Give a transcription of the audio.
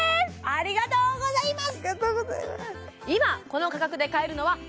ありがとうございます